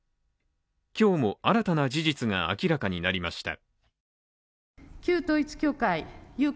今日も新たな事実が明らかになりました。